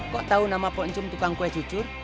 kok tahu nama poncum tukang kue jujur